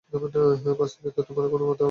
বাস্তবিক তো আমার কোন দাবী-দাওয়া নেই।